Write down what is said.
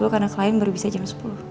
karena klien baru bisa jam sepuluh